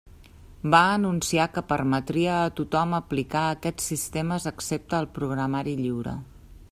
Va anunciar que permetria a tothom aplicar aquests sistemes excepte al programari lliure.